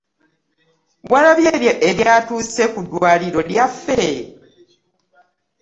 Walabye ebyatuuse ku ddwaaliro lyaffe?